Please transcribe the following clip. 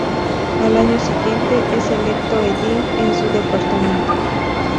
Al año siguiente es electo edil en su departamento.